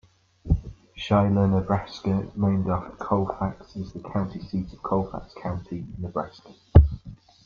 Schuyler, Nebraska, named after Colfax, is the county seat of Colfax County, Nebraska.